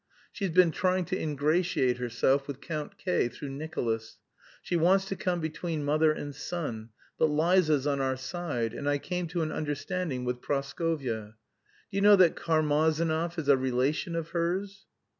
She's been trying to ingratiate herself with Count K. through Nicolas. She wants to come between mother and son. But Liza's on our side, and I came to an understanding with Praskovya. Do you know that Karmazinov is a relation of hers?"